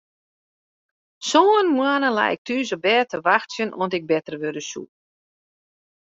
Sân moannen lei ik thús op bêd te wachtsjen oant ik better wurde soe.